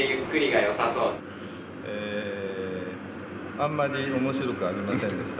あんまり面白くありませんでした。